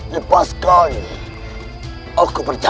lepaskan aku berdua